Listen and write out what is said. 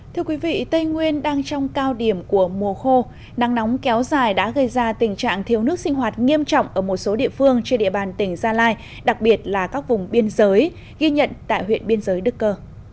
thưa quý vị tây nguyên đang trong cao điểm của mùa khô nắng nóng kéo dài đã gây ra tình trạng thiếu nước sinh hoạt nghiêm trọng ở một số địa phương trên địa bàn tỉnh gia lai đặc biệt là các vùng biên giới ghi nhận tại huyện biên giới đức cơ